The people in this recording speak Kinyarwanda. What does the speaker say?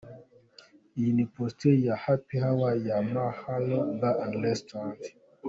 Iyi ni postel ya Happy Hour ya Mahalo Bar&Restaurant.